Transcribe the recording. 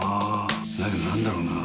だけど何だろうな。